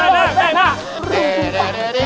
แล้วเธอ